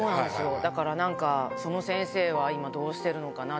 だからなんか、その先生は今、どうしてるのかなと。